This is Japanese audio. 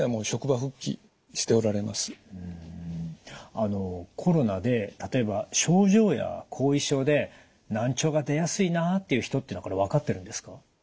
あのコロナで例えば症状や後遺症で難聴が出やすいなあっていう人っていうのは分かってるんですか？